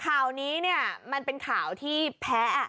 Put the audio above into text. ข่าวนี้เนี่ยมันเป็นข่าวที่แพ้